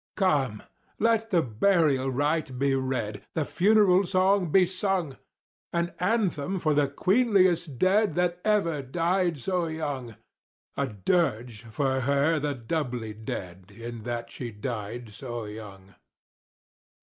Come! let the burial rite be read—the funeral song be sung!— An anthem for the queenliest dead that ever died so young— A dirge for her the doubly dead in that she died so young.